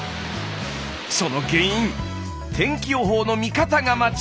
その原因天気予報の見方が間違っていた！